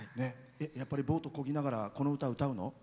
やっぱりボートこぎながらこの歌を歌うの？